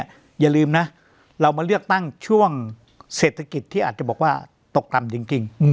อย่าลืมนะเรามาเลือกตั้งช่วงเศรษฐกิจที่อาจจะบอกว่าตกต่ำจริง